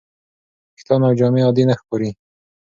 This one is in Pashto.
ویښتان او جامې عادي نه ښکاري.